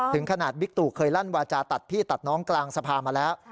ถึงขนาดบิ๊กตู่เคยลั่นวาจาตัดพี่ตัดน้องกลางสภามาแล้ว